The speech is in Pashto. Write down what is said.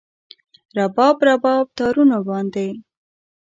رباب، رباب تارونو باندې